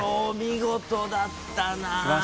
見事だったな。